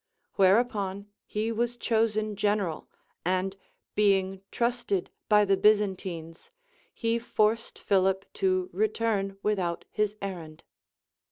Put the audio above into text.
Whereupon he was chosen general, and being trusted by the Byzantines, he forced Philip to return without his errand.